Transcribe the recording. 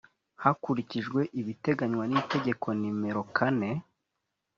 hakurikijwe ibiteganywa n itegeko nimero kane